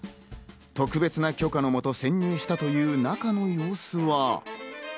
特別な許可のもと潜入したという中の様子は。